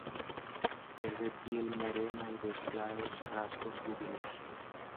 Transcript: Es de piel morena y de claros rasgos judíos.